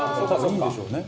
いいんでしょうね。